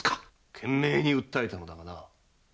懸命に訴えたのだがな。